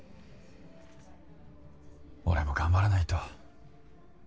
俺も頑張らないと。